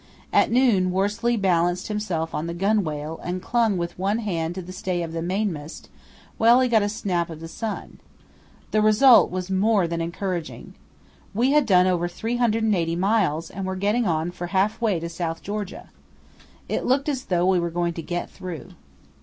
At noon Worsley balanced himself on the gunwale and clung with one hand to the stay of the mainmast while he got a snap of the sun. The result was more than encouraging. We had done over 380 miles and were getting on for half way to South Georgia. It looked as though we were going to get through.